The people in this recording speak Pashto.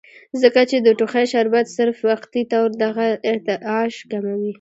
ځکه چې د ټوخي شربت صرف وقتي طور دغه ارتعاش کموي